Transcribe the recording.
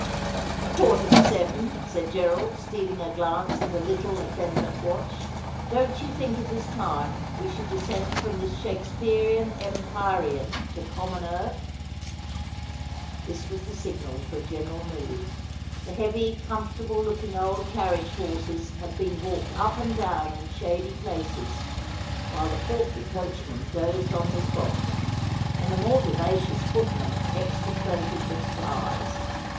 ' A quarter to seven,' said Gerald, stealing a glance at a little ^Love is a Thing, as any Spirit, Free! 159 effeminate watch. ' Don't you think it is time we should descend from this Shakespearian empyrean to common earth ?' This was the signal for a general move. The heavy, com fortable looking old carriage horses had been walked up and down in shady places, while the portly coachman dozed on his box, and the more vivacious footman execrated the flies.